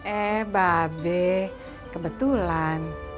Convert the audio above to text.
eh babe kebetulan